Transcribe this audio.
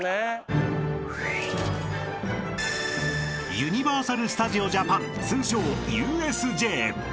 ［ユニバーサル・スタジオ・ジャパン通称ＵＳＪ］